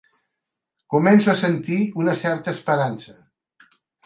Començo a sentir una certa esperança.